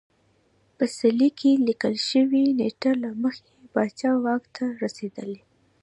په څلي کې لیکل شوې نېټه له مخې پاچا واک ته رسېدلی